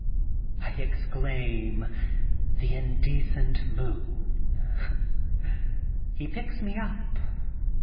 I exclaim, "The indecent moon." He picks me up.